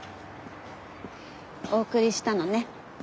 お送りしたのね。